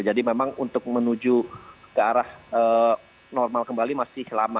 jadi memang untuk menuju ke arah normal kembali masih lama